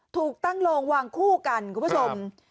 ถูกตั้งโลงวางคู่กันคุณผู้ชม